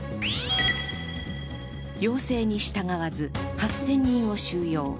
要請に従わず８０００人を収容。